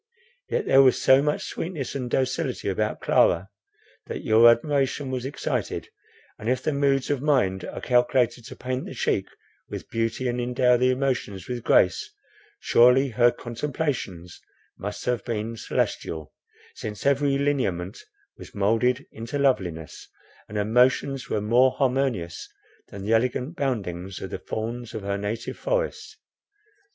Yet there was so much sweetness and docility about Clara, that your admiration was excited; and if the moods of mind are calculated to paint the cheek with beauty, and endow motions with grace, surely her contemplations must have been celestial; since every lineament was moulded into loveliness, and her motions were more harmonious than the elegant boundings of the fawns of her native forest.